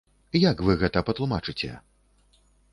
Як вы гэта патлумачыце?